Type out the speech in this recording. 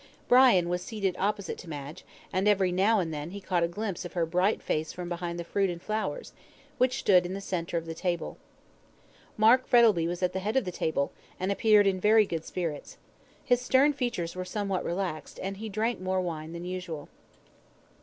Brian was seated opposite to Madge, and every now and then he caught a glimpse of her bright face from behind the fruit and flowers, which stood in the centre of the table. Mark Frettlby was at the head of the table, and appeared in very good spirits. His stern features were somewhat relaxed, and he drank more wine than usual.